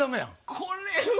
これは。